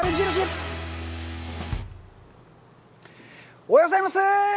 おはようございます！